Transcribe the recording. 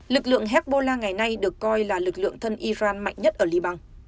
lực lượng hezbollah ngày nay được coi là lực lượng thân iran nhất ở liban